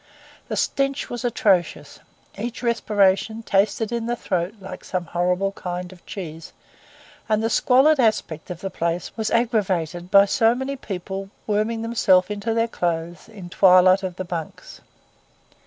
The stench was atrocious; each respiration tasted in the throat like some horrible kind of cheese; and the squalid aspect of the place was aggravated by so many people worming themselves into their clothes in twilight of the bunks.